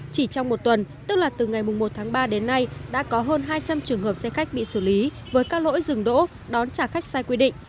chỉ trong một tuần tức là từ ngày một tháng ba đến nay đã có hơn hai trăm linh trường hợp xe khách bị xử lý với các lỗi dừng đỗ đón trả khách sai quy định